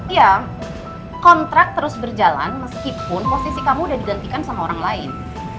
ya kontrak terus berjalan meskipun posisi kamu udah digantikan sama orang lain